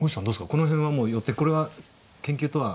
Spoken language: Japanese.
この辺はもう予定これは研究とは。